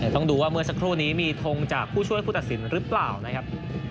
ต้องดูว่าเมื่อสักครู่นี้มีทงจากผู้ช่วยผู้ตัดสินหรือเปล่านะครับ